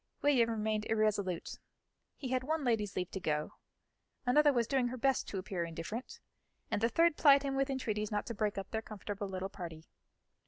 William remained irresolute; he had one lady's leave to go, another was doing her best to appear indifferent, and the third plied him with entreaties not to break up their comfortable little party.